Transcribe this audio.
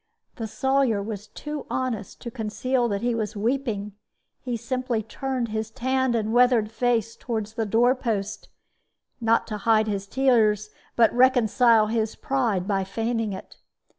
The Sawyer was too honest to conceal that he was weeping. He simply turned his tanned and weathered face toward the door post, not to hide his tears, but reconcile his pride by feigning it.